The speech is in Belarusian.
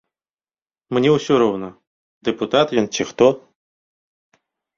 Мне ўсё роўна, дэпутат ён ці хто.